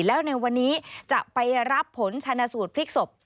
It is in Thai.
แล้วในวันนี้จะไปรับผลชนะสูตรพลิกศพ